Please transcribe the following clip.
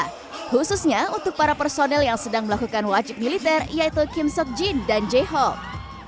khususnya untuk para personel yang sedang melakukan wajib militer yaitu kim sok jin dan j hawk